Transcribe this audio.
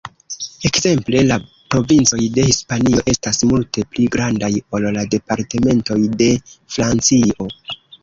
Ekzemple la provincoj de Hispanio estas multe pli grandaj ol la departementoj de Francio.